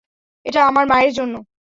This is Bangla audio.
এটা আমার মায়ের জন্য।